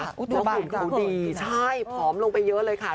ละครุ่นเขาดีใช่พร้อมลงไปเยอะเลยค่ะ